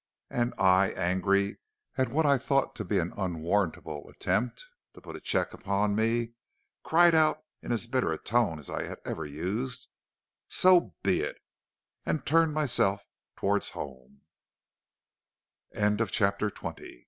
And I, angry at what I thought to be an unwarrantable attempt to put a check upon me, cried out in as bitter a tone as I had ever used: "'So be it,' and turned myself towards home." XXI. IN THE LABORATORY.